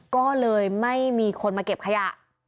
ก็เลยไม่มีคนมาเก็บขยะ